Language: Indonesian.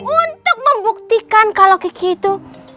untuk membuktikan kalau kiki itu